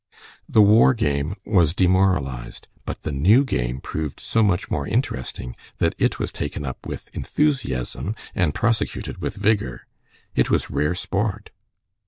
The war game was demoralized, but the new game proved so much more interesting that it was taken up with enthusiasm and prosecuted with vigor. It was rare sport.